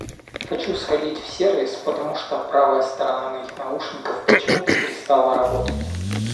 Хочу сходить в сервис, потому что правая сторона моих наушников почему-то перестала работать.